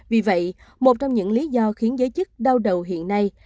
vì vậy một trong những lý do khiến giới chức đau đầu hiện nay